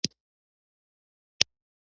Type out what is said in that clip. د دعا غږ د اسمان له لارې الله ته رسیږي.